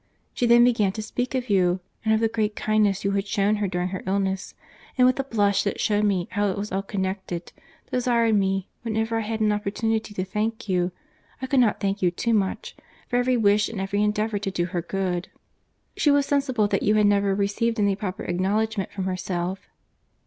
She then began to speak of you, and of the great kindness you had shewn her during her illness; and with a blush which shewed me how it was all connected, desired me, whenever I had an opportunity, to thank you—I could not thank you too much—for every wish and every endeavour to do her good. She was sensible that you had never received any proper acknowledgment from herself."